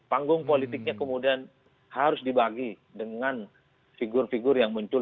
panggung politiknya kemudian harus dibagi dengan figur figur yang muncul